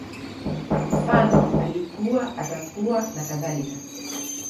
Mfano, Alikuwa, Atakuwa, nakadhalika